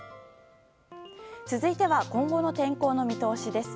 続いては今後の天候の見通しです。